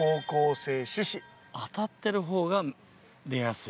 当たってる方が出やすい。